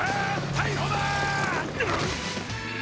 逮捕だー！